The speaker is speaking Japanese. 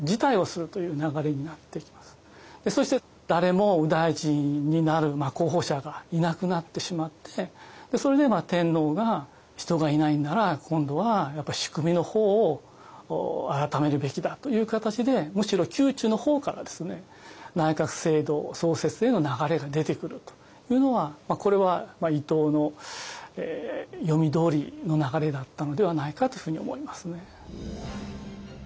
そして誰も右大臣になる候補者がいなくなってしまってそれで天皇が「人がいないなら今度は仕組みの方を改めるべきだ」という形でむしろ宮中の方から内閣制度創設への流れが出てくるというのはこれは伊藤の読み通りの流れだったのではないかというふうに思いますね。